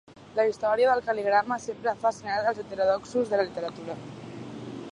La història del cal·ligrama sempre ha fascinat els heterodoxos de la literatura.